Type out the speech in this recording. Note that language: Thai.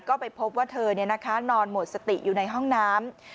ก็ไปพบว่าเธอนอนหมดสติอยู่ในห้องน้ำ